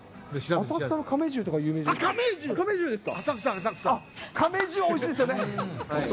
浅草の亀十とか有名じゃないですか。